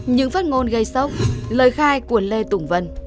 những phát ngôn gây sốc lời khai của lê tùng vân